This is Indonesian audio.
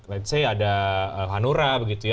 let's say ada hanura begitu ya